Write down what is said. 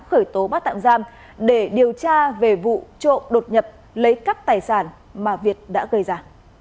khởi tố bắt tạm giam để điều tra về vụ trộm đột nhập lấy cắp tài sản mà việt đã gây ra